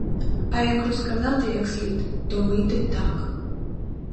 А як розказати як слід, то вийде так.